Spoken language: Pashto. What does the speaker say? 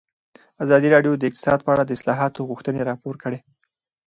ازادي راډیو د اقتصاد په اړه د اصلاحاتو غوښتنې راپور کړې.